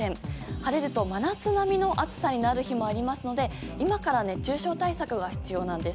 晴れると真夏並みの暑さになる日もありますので今から熱中症対策が必要なんです。